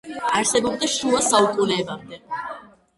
არსებობდა შუა საუკუნეებამდე.